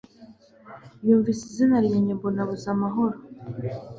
yumvisemo izina ryanjye mbona abuze amahoro